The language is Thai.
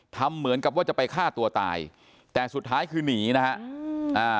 ทำเหมือนกับว่าจะไปฆ่าตัวตายแต่สุดท้ายคือหนีนะฮะอืมอ่า